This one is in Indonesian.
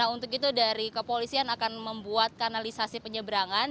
untuk itu dari kepolisian akan membuat kanalisasi penyeberangan